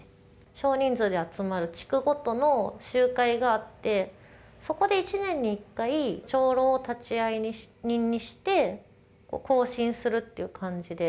少人数で集まる地区ごとの集会があって、そこで１年に１回、長老を立会人にして、更新するっていう感じで。